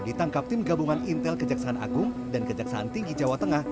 ditangkap tim gabungan intel kejaksaan agung dan kejaksaan tinggi jawa tengah